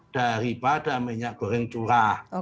daripada minyak goreng curah